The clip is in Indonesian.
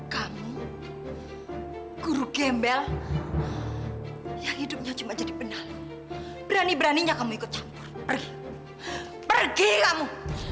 kamu guru gembel yang hidupnya cuma jadi benang berani beraninya kamu ikut semua pergi pergi kamu